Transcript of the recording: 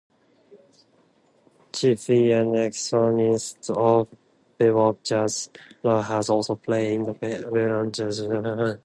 Chiefly an exponent of bebop jazz, Rava has also played in avant-garde jazz settings.